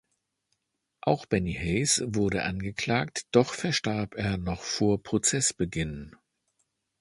Auch Bennie Hays wurde angeklagt, doch verstarb er noch vor Prozessbeginn.